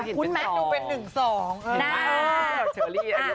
คุณแม็กซ์ดูเป็น๑๒